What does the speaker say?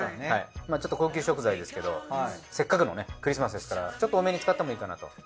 ちょっと高級食材ですけどせっかくのねクリスマスですからちょっと多めに使ってもいいかなと。